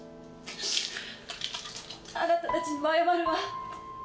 あなたたちにも謝るわ。